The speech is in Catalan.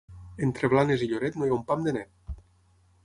Entre Blanes i Lloret, no hi ha un pam de net.